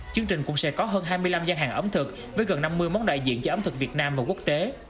chương trình cũng sẽ có hơn hai mươi năm gian hàng ẩm thực với gần năm mươi món đại diện cho ẩm thực việt nam và quốc tế